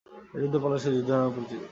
এই যুদ্ধ পলাশীর যুদ্ধ নামে পরিচিত।